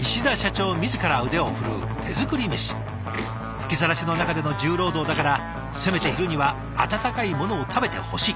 吹きさらしの中での重労働だからせめて昼には温かいものを食べてほしい。